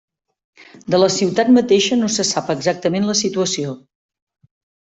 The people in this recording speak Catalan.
De la ciutat mateixa no se sap exactament la situació.